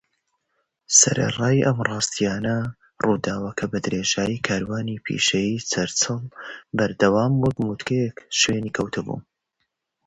Despite these facts, the incident continued to haunt Churchill through his career.